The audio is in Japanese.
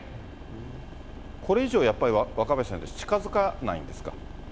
これ以上やっぱり若林さん、近づかないんですか？